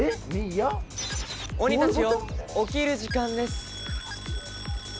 鬼たちよ、起きる時間です。